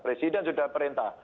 presiden sudah perintah